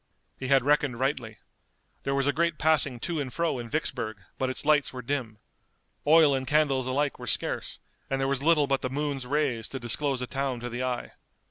He had reckoned rightly. There was a great passing to and fro in Vicksburg, but its lights were dim. Oil and candles alike were scarce, and there was little but the moon's rays to disclose a town to the eye.